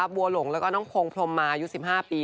บัวหลงแล้วก็น้องโคงพรมมาอยู่๑๕ปี